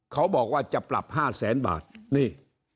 เขาบอกว่าจะปรับ๕แสนบาทนี่